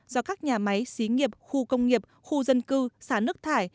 do các nhà máy xí nghiệp khu công nghiệp khu dân cư xá nước thải